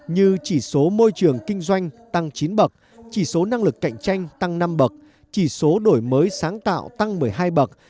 như chỉ số môi trường kinh doanh tăng chín bậc chỉ số năng lực cạnh tranh tăng năm bậc chỉ số đổi mới sáng tạo tăng một mươi hai bậc